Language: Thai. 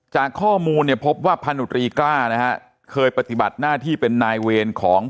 จากข้อมูลเนี่ยพบว่าพันธุรีกล้านะฮะเคยปฏิบัติหน้าที่เป็นนายเวรของ